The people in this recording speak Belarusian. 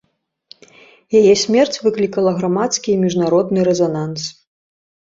Яе смерць выклікала грамадскі і міжнародны рэзананс.